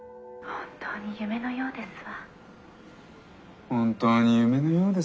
本当に夢のようですわ。